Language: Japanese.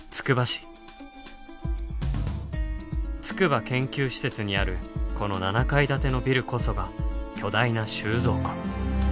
筑波研究施設にあるこの７階建てのビルこそが「巨大な収蔵庫」。